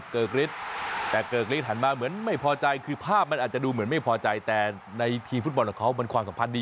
คือเขาเล่นกัน